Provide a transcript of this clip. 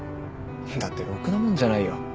だってろくなもんじゃないよ。